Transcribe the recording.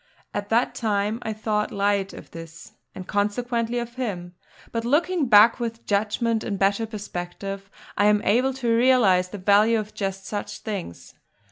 At that time I thought light of this, and consequently of him; but looking back, with judgment in better perspective, I am able to realise the value of just such things.